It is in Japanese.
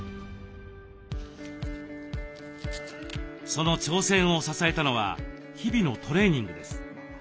その挑戦を支えたのは日々のトレーニングです。